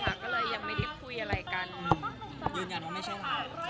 ยืนกันว่าไม่ใช่เรื่อง